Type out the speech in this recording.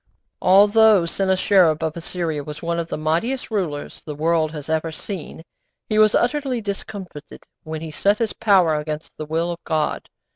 ' Although Sennacherib of Assyria was one of the mightiest rulers the world has ever seen, he was utterly discomfited when he set his power against the will of God.